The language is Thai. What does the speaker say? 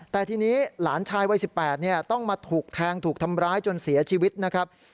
แต่ทีนี้หลานชายวัย๑๘ต้องมาถูกแทงถูกทำร้ายจนเสียชีวิตนะครับ